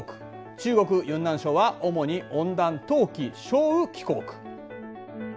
中国・ユンナン省は主に温暖冬季小雨気候区。